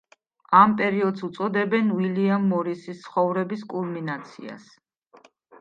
ამ პერიოდს უწოდებენ უილიამ მორისის ცხოვრების კულმინაციას.